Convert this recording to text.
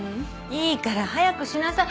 いいから早くしなさい。